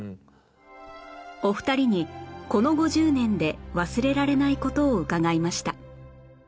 お二人にこの５０年で忘れられない事を伺いました